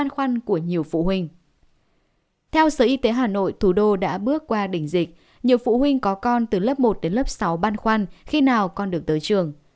khi tới hà nội thủ đô đã bước qua đỉnh dịch nhiều phụ huynh có con từ lớp một đến lớp sáu băn khoăn khi nào còn được tới trường